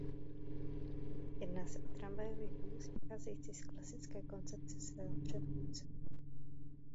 Jedná se o tramvajový vůz vycházející z klasické koncepce svého předchůdce.